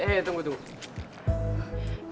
eh tunggu tunggu